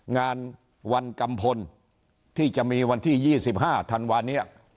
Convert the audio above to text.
งานวันกัมพลที่จะมีวันที่๒๕ธันวานี้